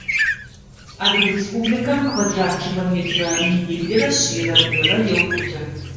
Адыгэ Республикэм квадрат километрэ миныблырэ шъийрэ блырэ еубыты.